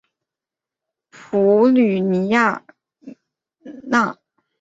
普吕尼亚讷。